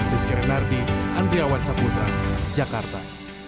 rizky renardi andri awad saputra jakarta